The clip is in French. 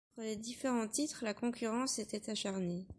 Entre les différents titres, la concurrence était acharnée.